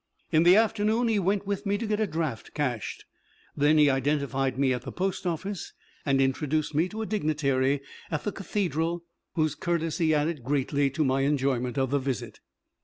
In the afternoon he went with me to get a draft cashed, then he identified me at the post office, and introduced me to a dignitary at the cathedral whose courtesy added greatly to my enjoyment of the visit.